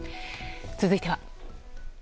続いては。